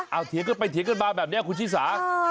เอาเถียงกันไปเถียงกันมาแบบนี้คุณชิสา